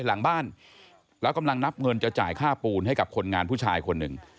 หลังบ้านแล้วกำลังนับเงินจะจ่ายค่าปูนให้กับคนงานผู้ชายคนหนึ่ง